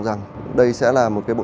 rằng đây sẽ là một cái bộ